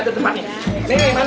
duduk aja tempatnya